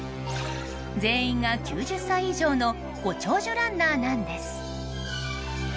全員が９０歳以上のご長寿ランナーなんです。